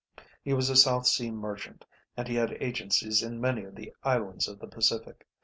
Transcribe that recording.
He was a South Sea merchant, and he had agencies in many of the islands of the Pacific.